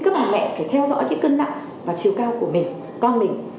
các bà mẹ phải theo dõi những cân nặng và chiều cao của mình con mình